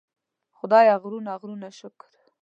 خدایه غرونه غرونه شکر.